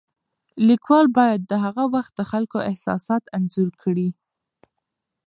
لیکوال باید د هغه وخت د خلکو احساسات انځور کړي.